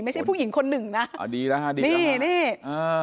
ไม่ใช่ผู้หญิงคนหนึ่งน่ะอ่าดีแล้วดีแล้วนี่นี่อ่า